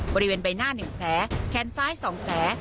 บริเวณใบหน้า๑แผลแขนซ้าย๒แผล